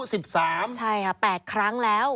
ใช่แปดครั้งแล้ว